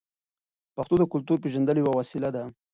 پښتو د کلتور د پیژندلو یوه وسیله ده.